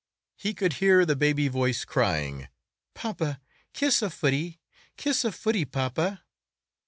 He could hear the baby voice crying, "Pa pa, kiss a footie. Kiss a footie, pa pa!"